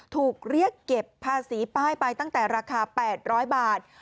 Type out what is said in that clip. ถูกเรียกเก็บภาษีป้ายไปตั้งแต่ราคา๘๐๐บาท